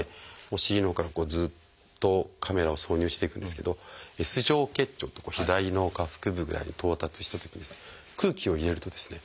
お尻のほうからずっとカメラを挿入していくんですけどＳ状結腸って左の下腹部ぐらいに到達したときに空気を入れるとですね